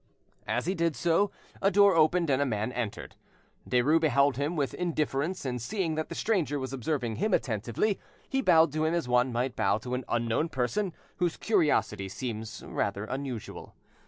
As he did so, a door opened, and a man entered. Derues beheld him with indifference, and seeing that the stranger was observing him attentively, he bowed to him as one might bow to an unknown person whose curiosity seems rather unusual.